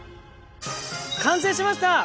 完成しました！